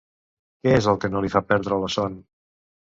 Què és el que no li fa perdre la son?